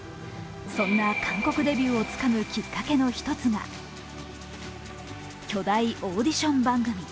そんな韓国デビューをつかむきっかけの１つが巨大オーディション番組。